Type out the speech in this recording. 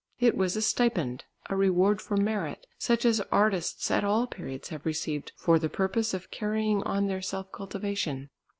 It was a stipend, a reward for merit, such as artists at all periods have received for the purpose of carrying on their self cultivation.